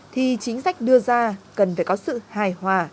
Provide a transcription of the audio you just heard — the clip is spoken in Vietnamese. thì chính sách đưa ra cần phải có sự hài hòa